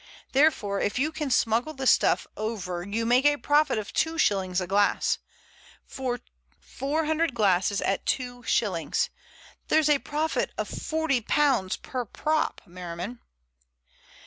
Therefore, if you can smuggle the stuff over you make a profit of two shillings a glass. Four hundred glasses at two shillings. There's a profit of £40 a prop, Merriman!"